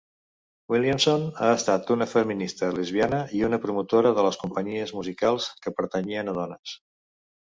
Williamson ha estat una feminista lesbiana i una promotora de companyies musicals que pertanyien a dones.